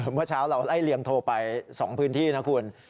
เมื่อเช้าเราไล่เลี่ยงโทรไป๒พื้นที่นะคุณ